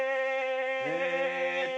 えっと